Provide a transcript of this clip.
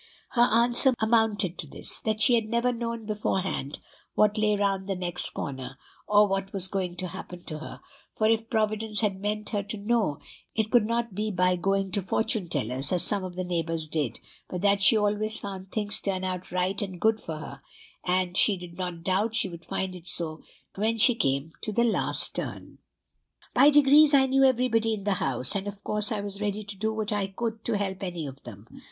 Her answer amounted to this, that she had never known beforehand what lay round the next corner, or what was going to happen to her, for if Providence had meant her to know, it could not be by going to fortune tellers, as some of the neighbors did; but that she always found things turn out right and good for her, and she did not doubt she would find it so when she came to the last turn. "By degrees I knew everybody in the house, and of course I was ready to do what I could to help any of them.